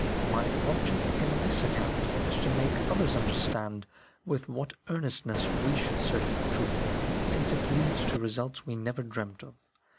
My object in this account is to make others understand with what earnestness we should search for truth, since it leads to results we never dreamt of.